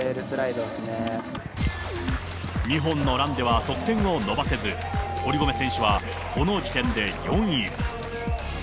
２本のランでは得点を伸ばせず、堀米選手はこの時点で４位。